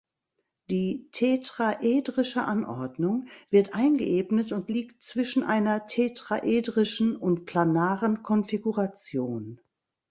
Die tetraedrische Anordnung wird eingeebnet und liegt zwischen einer tetraedrischen und planaren Konfiguration.